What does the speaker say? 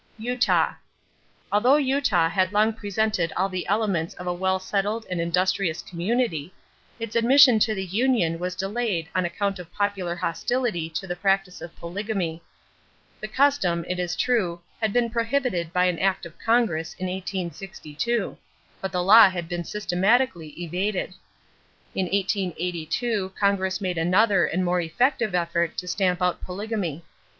=Utah.= Although Utah had long presented all the elements of a well settled and industrious community, its admission to the union was delayed on account of popular hostility to the practice of polygamy. The custom, it is true, had been prohibited by act of Congress in 1862; but the law had been systematically evaded. In 1882 Congress made another and more effective effort to stamp out polygamy.